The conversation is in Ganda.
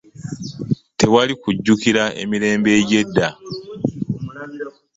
Tewali kujjukira mirembe egy'edda.